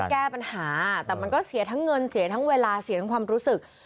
แก้ปัญหาแต่มันก็เสียทั้งเงินเสียทั้งเวลาเสียทั้งความรู้สึก